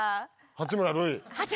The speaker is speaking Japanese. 八村塁。